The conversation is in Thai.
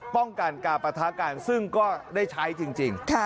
ป้องกันการปะทะกันซึ่งก็ได้ใช้จริง